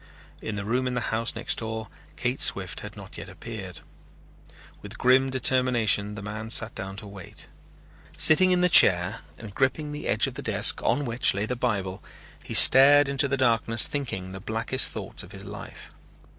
In the room in the house next door Kate Swift had not yet appeared. With grim determination the man sat down to wait. Sitting in the chair and gripping the edge of the desk on which lay the Bible he stared into the darkness thinking the blackest thoughts of his life.